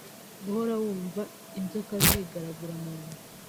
guhora wumva inzoka zigaragura munda